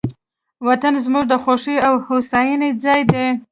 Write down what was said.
وطن زموږ د خوښۍ او هوساینې ځای دی.